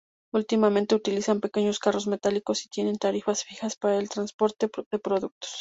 Últimamente utilizan pequeños carros metálicos y tienen tarifas fijas para el transporte de productos.